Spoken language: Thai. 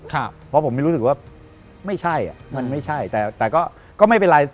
เพราะผมไม่รู้สึกว่าไม่ใช่อ่ะมันไม่ใช่แต่แต่ก็ไม่เป็นไร